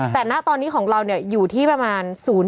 แต่ณตอนนี้ของเราอยู่ที่ประมาณ